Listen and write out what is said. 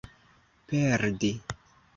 perdi